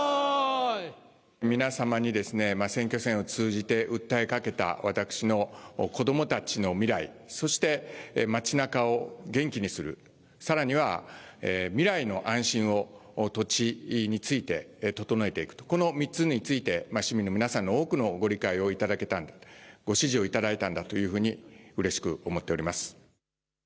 皆様に選挙戦を通じて訴えかけた私の子どもたちの未来、そしてまちなかを元気にする、さらには未来の安心を整えていくこの３点について市民の皆様の大きなのご理解をいただいた、ご指示をいただいたとうれしく思っております。